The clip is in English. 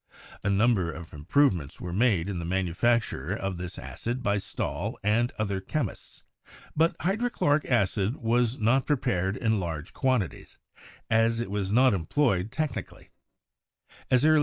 A number of improvements were made in the manufacture of this acid by Stahl and other chemists, but hydrochloric acid was not prepared in large quantities, as it was not employed DEVELOPMENT OF SPECIAL BRANCHES 145 technically.